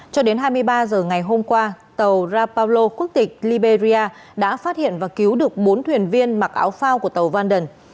cho đến hai mươi ba h ngày hôm qua tàu rapallo quốc tịch liberia đã phát hiện và cứu được bốn thuyền viên mặc áo phao của tàu vanden